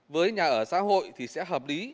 với nhà ở xã hội thì sẽ hợp lý